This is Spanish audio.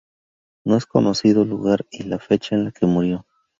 No es conocido lugar y la fecha en la que murió.